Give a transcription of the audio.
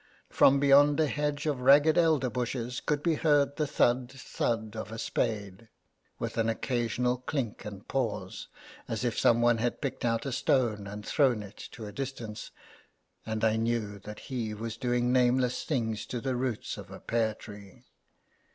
From beyond a hedge of ragged elder bushes could be heard the thud, thud of a spade, with an occasional clink and pause, as if some one had picked out a stone and thrown it to a distance, and I knew that he was doing nameless things to the roots of a pear tree.